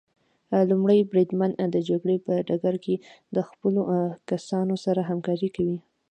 لومړی بریدمن د جګړې په ډګر کې د خپلو کسانو سره همکاري کوي.